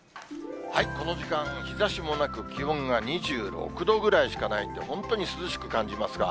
この時間、日ざしもなく、気温が２６度ぐらいしかないんで、本当に涼しく感じますが。